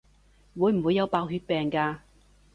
會唔會有白血病㗎？